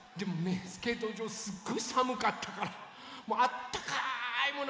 えスケートじょうすっごいさむかったからあったかいもの